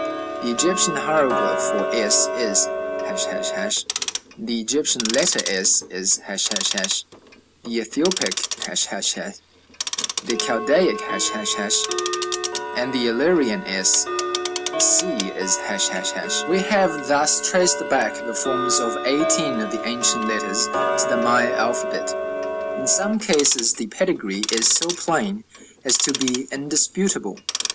The Egyptian hieroglyph for s is ###; the Egyptian letter s is ###; the Ethiopic, ###; the Chaldaic, ###; and the Illyrian s c is ###. We have thus traced back the forms of eighteen of the ancient letters to the Maya alphabet. In some cases the pedigree, is so plain as to be indisputable.